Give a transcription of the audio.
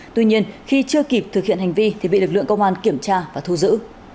tuy nhiên khi chưa kịp thực hiện hành vi thì bị lực lượng công an kiểm tra và thu giữ